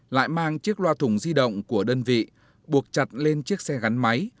lại mang chiếc loa thùng di động của đơn vị buộc chặt lên chiếc xe gắn máy